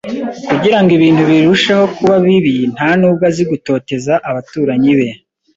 Kugira ngo ibintu birusheho kuba bibi, nta nubwo azi gutoteza abaturanyi be.